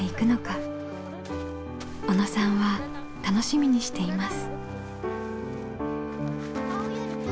小野さんは楽しみにしています。